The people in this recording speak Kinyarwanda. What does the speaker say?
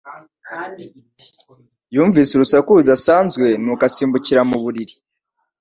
Yumvise urusaku rudasanzwe nuko asimbukira mu buriri